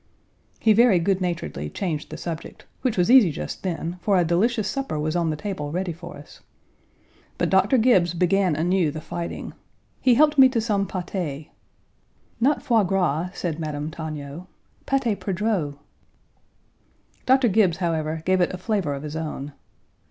He very good naturedly changed the subject, which was easy just then, for a delicious supper was on the table ready for us. But Doctor Gibbes began anew the fighting. He helped me to some pâté "Not foie gras," said Madame Togno, "pâté perdreaux." Doctor Gibbes, however, gave it a flavor of his own.